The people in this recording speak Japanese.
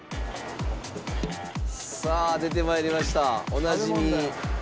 さあ出て参りましたおなじみ。